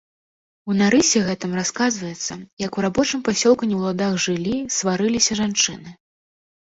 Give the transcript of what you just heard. У нарысе гэтым расказваецца, як у рабочым пасёлку не ў ладах жылі, сварыліся жанчыны.